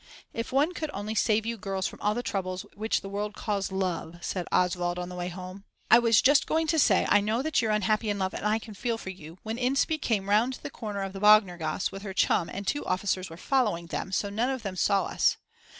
If one could only save you girls from all the troubles which the world calls "Love," said Oswald on the way home. I was just going to say "I know that you're unhappy in love and I can feel for you," when Inspee came round the corner of the Bognergasse with her chum and 2 officers were following them, so none of them saw us.